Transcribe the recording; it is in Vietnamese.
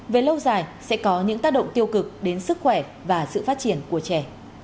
về lâu dài sẽ có những tác động tiêu cực đến sức khỏe và sự phát triển của trẻ